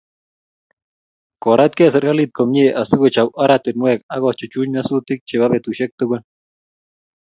Koratkei serkalit komie asi kochob oratinwek ak kochuchuch nyasutik chebo betusiektugul